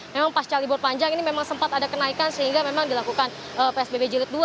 memang pasca libur panjang ini memang sempat ada kenaikan sehingga memang dilakukan psbb jilid dua